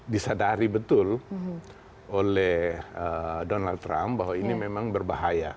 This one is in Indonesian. disadari betul oleh donald trump bahwa ini memang berbahaya